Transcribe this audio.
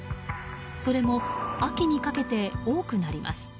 それも秋にかけて多くなります。